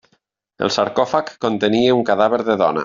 El sarcòfag contenia un cadàver de dona.